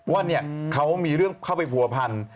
ว่าเขามีเรื่องเข้าไปผัวพัน